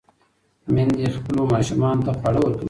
میندې خپلو ماشومانو ته خواړه ورکوي.